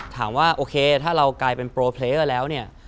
ถามว่าโอเคถ้าเรากลายเป็นโปรเพลอร์แล้วเนี่ย